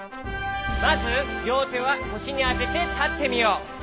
まずりょうてはこしにあててたってみよう。